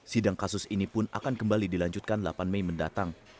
sidang kasus ini pun akan kembali dilanjutkan delapan mei mendatang